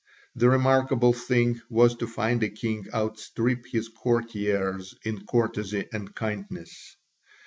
The remarkable thing was to find a king outstrip his courtiers in courtesy and kindness.